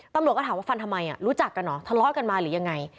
ตำรวจก็ถามว่าฟันทำไมรู้จักกันเหรอทะเลาะกันมาหรือยังไง